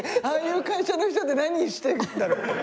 ああいう会社の人って何してるんだろう。